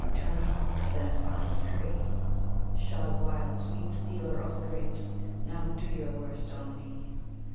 Turn fox then, I decree ! Shy wild sweet stealer of the grapes ! Now do your worst on me